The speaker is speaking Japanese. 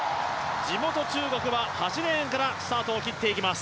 地元・中国は８レーンからスタートを切っていきます。